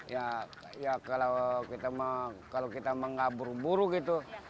ya kalau kita mau ngabur buru gitu